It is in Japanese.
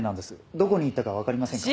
どこに行ったかわかりませんか？